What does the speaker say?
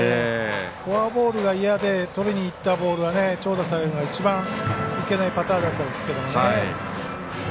フォアボールが嫌でとりにいったボールを長打されるのが一番いけないパターンだったんですけどね。